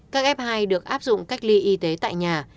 các f hai được áp dụng cách ly y tế tại nhà